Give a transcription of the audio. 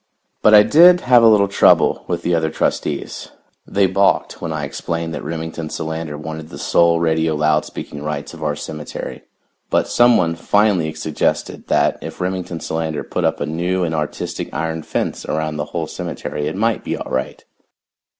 But I did have a little trouble with the other trustees. They balked when I explained that Remington Solander wanted the sole radio loud speaking rights of our cemetery, but some one finally suggested that if Remington Solander put up a new and artistic iron fence around the whole cemetery it might be all right.